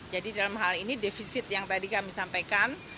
jadi dalam hal ini defisit yang tadi kami sampaikan